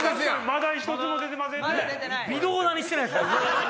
まだ１つも出てませんね。